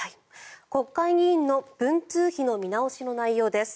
国会議員の文通費の見直しの内容です。